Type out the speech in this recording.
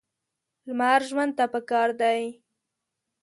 لمر ژوند ته پکار دی.